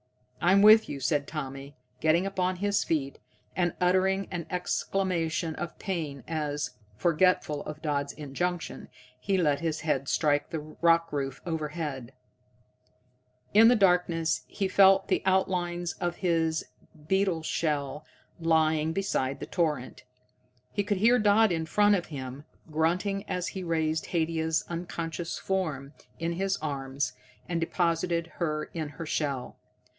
"I'm with you," said Tommy, getting upon his feet, and uttering an exclamation of pain as, forgetful of Dodd's injunction, he let his head strike the rock roof overhead. In the darkness he felt the outlines of his beetle shell lying beside the torrent. He could hear Dodd in front of him, grunting as he raised Haidia's unconscious form in his arms and deposited her in her shell.